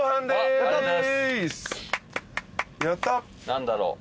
何だろう？